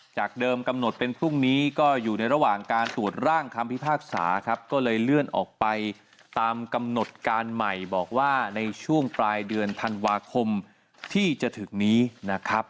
จากเดิมกำหนดเป็นพรุ่งนี้ก็อยู่ในระหว่างการตรวจร่างคำพิพากษาครับก็เลยเลื่อนออกไปตามกำหนดการใหม่บอกว่าในช่วงปลายเดือนธันวาคมที่จะถึงนี้นะครับ